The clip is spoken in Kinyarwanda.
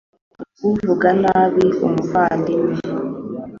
ntihakagire uvuga nabi umuvandimwe .